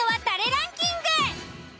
ランキング。